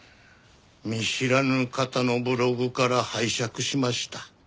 見知らぬ方のブログから拝借しました。